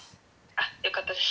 「あよかったです。